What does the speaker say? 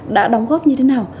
đã đóng góp như thế nào